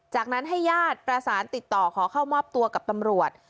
จากนั้นให้ญาติประสานติดต่อขอเข้ามอบตัวกับตำรวจ